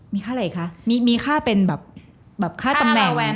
มีค่าอะไรอีกคะมีค่าเป็นแบบค่าตำแหน่ง